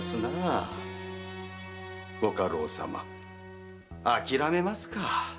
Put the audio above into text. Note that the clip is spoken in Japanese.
御家老様あきらめますか？